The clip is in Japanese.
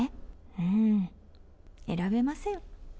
うーん、選べません。